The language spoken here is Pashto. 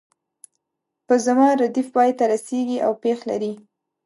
په زما ردیف پای ته رسیږي او پیښ لري.